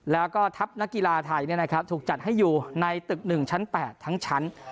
แล้วก็ทัพนักกีฬาไทยถูกจัดให้อยู่ในตึก๑ชั้น๘ทั้งชั้น